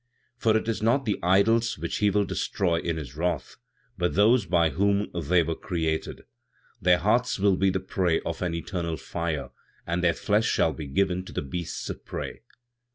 "For it is not the idols which He will destroy in His wrath, but those by whom they were created; their hearts will be the prey of an eternal fire and their flesh shall be given to the beasts of prey.